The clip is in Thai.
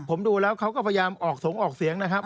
ผมดูแล้วเขาก็พยายามออกสงออกเสียงนะครับ